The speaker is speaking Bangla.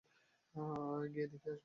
গিয়ে দেখে আসবি নাকি?